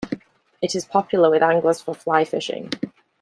It is popular with anglers for fly fishing.